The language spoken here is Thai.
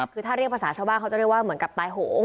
คือถ้าเรียกภาษาชาวบ้านเขาจะเรียกว่าเหมือนกับตายโหง